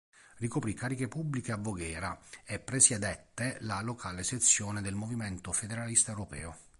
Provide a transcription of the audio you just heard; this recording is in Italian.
Ricoprì cariche pubbliche a Voghera e presiedette la locale sezione del Movimento Federalista Europeo.